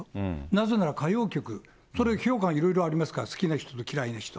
なぜなら歌謡曲、それは評価がいろいろありますから、好きな人と嫌いな人。